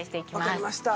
わかりました。